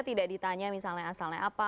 tidak ditanya misalnya asalnya apa